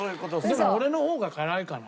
でも俺の方が辛いかな。